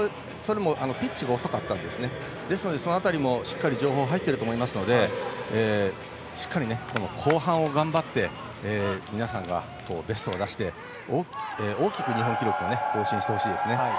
ピッチが遅かったのでですので、その辺りもしっかり情報が入っていると思いますのでしっかり後半を頑張って皆さんがベストを出して大きく日本記録を更新してほしいですね。